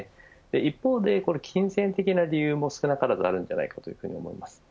一方で金銭的な理由も少なからずあるんじゃないかと思います。